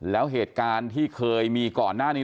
แล้วเหตุการณ์ที่เคยมีก่อนหน้านี้